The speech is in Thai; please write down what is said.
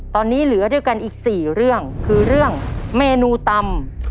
ตอนนี้เหลือด้วยกันอีก๔เรื่องคือเรื่องเมนูตำ